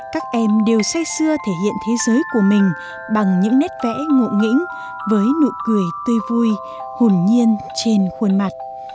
các em đều xây xưa thể hiện thế giới của mình bằng những nét vẽ ngụ nghĩnh với nụ cười tươi vui hùn nhiên trên khuôn mặt